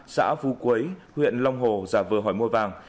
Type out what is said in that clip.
xã phú quấy huyện long hồ giả vờ hỏi mua vàng